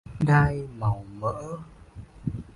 Đất đai màu mỡ